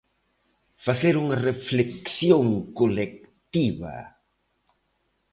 Facer unha reflexión colectiva.